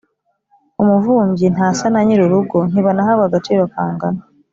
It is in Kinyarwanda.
umuvumbyi ntasa na nyir’urugo ntibanahabwa agaciro kangana